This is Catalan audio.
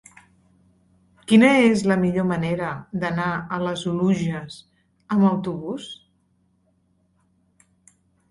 Quina és la millor manera d'anar a les Oluges amb autobús?